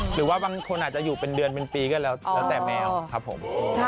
หรือว่าบางคนอาจจะอยู่เป็นเดือนเป็นปีก็แล้วแต่แมวครับผม